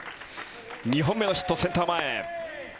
２本目のヒット、センター前。